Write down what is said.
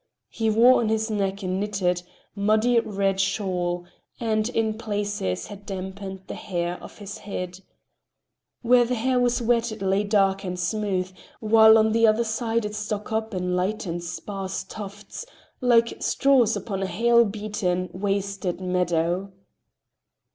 He wore on his neck a knitted, muddy red shawl, and in places had dampened the hair of his head. Where the hair was wet it lay dark and smooth, while on the other side it stuck up in light and sparse tufts, like straws upon a hail beaten, wasted meadow.